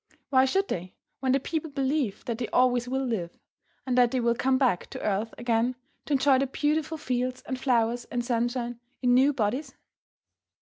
Why should they, when the people believe that they always will live, and that they will come back to earth again to enjoy the beautiful fields and flowers and sunshine in new bodies?